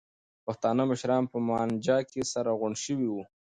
پښتانه مشران په مانجه کې سره غونډ شوي وو.